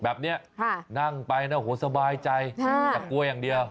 แบบนี้นั่งไปนะโหสบายใจอย่ากลัวอย่างเดียว